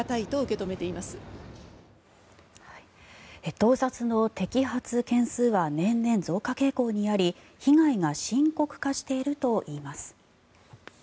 盗撮の摘発件数は年々、増加傾向にあり被害が深刻化しているといいます。